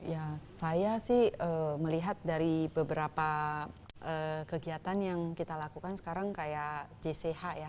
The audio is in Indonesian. ya saya sih melihat dari beberapa kegiatan yang kita lakukan sekarang kayak jcha ya